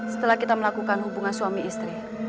setelah kita melakukan hubungan suami istri